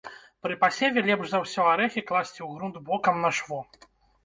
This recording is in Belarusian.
Пры пасеве лепш за ўсё арэхі класці ў грунт бокам на шво.